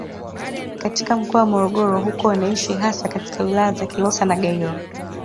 Katika mkoa wa Morogoro huko wanaishi hasa katika wilaya za Kilosa na Gairo